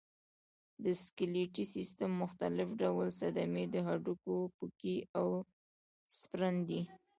د سکلیټي سیستم مختلف ډول صدمې د هډوکو پوکی او سپرن دی.